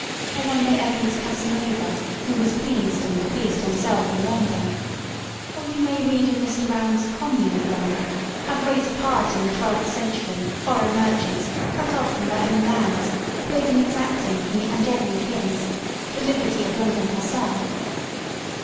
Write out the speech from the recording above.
Or one may evidence Casanova, who was pleased and 45 THE SOUL OF LONDON pleased himself in London; or you may read in Mr. Round's Commune of London " how great a part in the twelfth century foreign merchants, cut off from their own lands, played in exacting from the Angevin kings the liberty of London herself.)